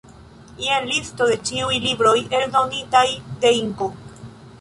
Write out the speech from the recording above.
Jen listo de ĉiuj libroj eldonitaj de Inko.